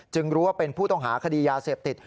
รู้ว่าเป็นผู้ต้องหาคดียาเสพติด